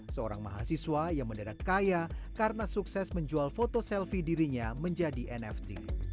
seorang mahasiswa yang mendadak kaya karena sukses menjual foto selfie dirinya menjadi nft